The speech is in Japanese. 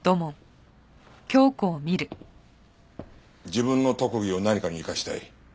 自分の特技を何かに生かしたい。